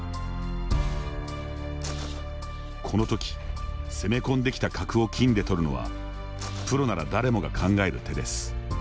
この時、攻め込んできた角を金でとるのはプロなら誰もが考える手です。